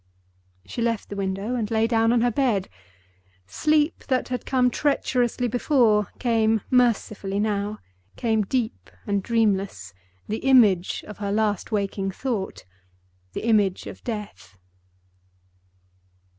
She left the window and lay down on her bed. Sleep, that had come treacherously before, came mercifully now; came deep and dreamless, the image of her last waking thought—the image of Death.